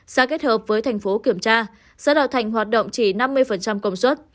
xã kết hợp với thành phố kiểm tra xã đạo thạnh hoạt động chỉ năm mươi công suất